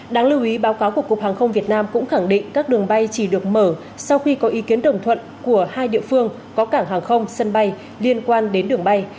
đáng lưu ý báo cáo của cục hàng không việt nam cũng khẳng định các đường bay chỉ được mở sau khi có ý kiến đồng thuận của hai địa phương có cảng hàng không sân bay liên quan đến đường bay